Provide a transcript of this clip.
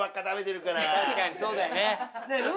確かにそうだよね。